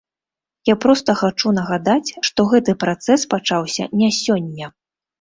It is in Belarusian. Я проста хачу нагадаць, што гэты працэс пачаўся не сёння.